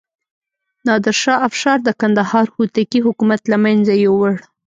نادر شاه افشار د کندهار هوتکي حکومت له منځه یووړ.